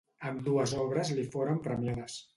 Ambdues obres li foren premiades.